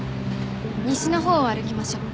西のほうを歩きましょう。